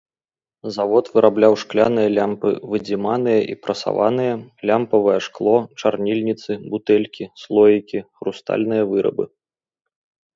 Завод вырабляў шкляныя лямпы выдзіманыя і прасаваныя, лямпавае шкло, чарніліцы, бутэлькі, слоікі, хрустальныя вырабы.